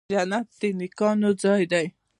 جنت د نیکانو ځای دی